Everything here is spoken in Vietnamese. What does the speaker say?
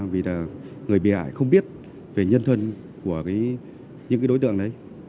vì là người bị hại không biết về nhân thân của những đối tượng đấy